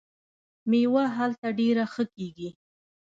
میوه هلته ډیره ښه کیږي.